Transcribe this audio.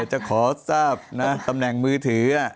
จะขอทราบนะตำแหน่งมือถือ